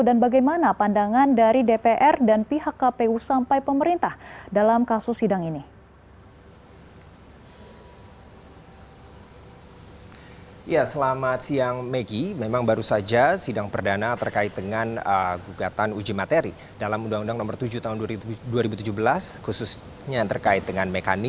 dan bagaimana pandangan dari dpr dan pihak kpu sampai pemerintah dalam kasus sidang ini